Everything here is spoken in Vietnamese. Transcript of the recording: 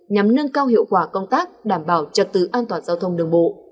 nhằm nâng cao hiệu quả công tác đảm bảo trật tự an toàn giao thông đường bộ